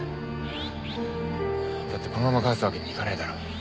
だってこのまま帰すわけにいかねえだろ。